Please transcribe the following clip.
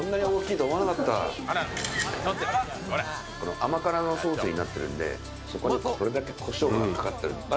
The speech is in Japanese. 甘辛のソースになってるんでそこにこれだけのこしょうがかかってる。